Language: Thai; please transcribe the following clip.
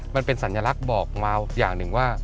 มันเป็นสัญลักษณ์บอกมาอย่างหนึ่งว่า